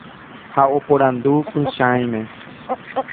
Ha oporandu Pychãime.